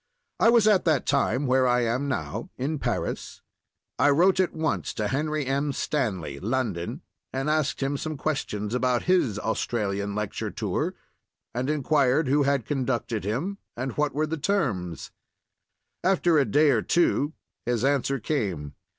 I was at that time where I am now—in Paris. I wrote at once to Henry M. Stanley (London), and asked him some questions about his Australian lecture tour, and inquired who had conducted him and what were the terms. After a day or two his answer came.